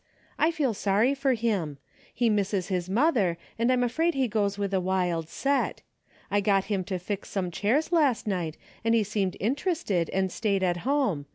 I feel sorry for him. He misses his mother, and I'm afraid he goes with a wild set. I got him to fix some chairs last night and he seemed interested and stayed at home.